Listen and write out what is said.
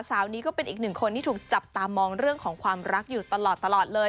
สาวนี้ก็เป็นอีกหนึ่งคนที่ถูกจับตามองเรื่องของความรักอยู่ตลอดเลย